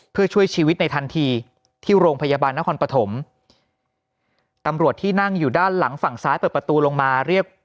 เพื่อช่วยชีวิตในทันทีที่โรงพยาบาลนครปฐมตำรวจที่นั่งอยู่ด้านหลังฝั่งซ้ายเปิดประตูลงมาเรียก